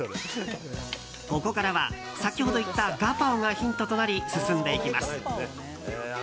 ここからは先ほど言ったガパオがヒントとなり進んでいきます。